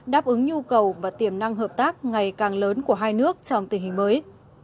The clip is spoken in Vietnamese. đáp ứng nhu cầu và tiềm năng hợp tác ngày càng lớn của hai nước trong tình hình mới